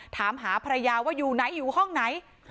ถามหาภรรยาว่าอยู่ไหนอยู่ห้องไหน